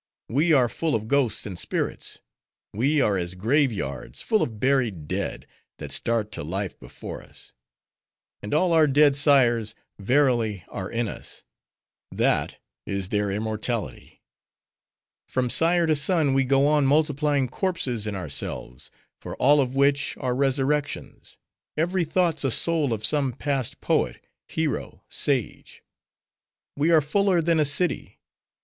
We are full of ghosts and spirits; we are as grave yards full of buried dead, that start to life before us. And all our dead sires, verily, are in us; that is their immortality. From sire to son, we go on multiplying corpses in ourselves; for all of which, are resurrections. Every thought's a soul of some past poet, hero, sage. We are fuller than a city.